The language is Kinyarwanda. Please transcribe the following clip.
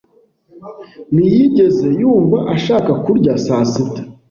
Ntiyigeze yumva ashaka kurya saa sita.